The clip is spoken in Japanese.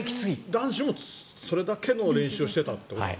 男子もそれだけの練習をしてたと。